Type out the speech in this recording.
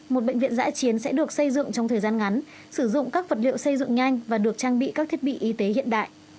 một bệnh viện giã chiến sẽ được xây dựng trong thời gian ngắn sử dụng các vật liệu xây dựng nhanh và được trang bị các thiết bị y tế hiện đại